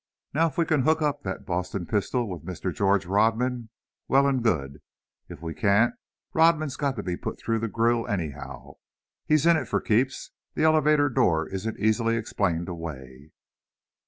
Now, if we can hook up that Boston pistol with Mr. George Rodman, well and good; if we can't, Rodman's got to be put through the grill anyhow. He's in it for keeps that elevator door isn't easily explained away."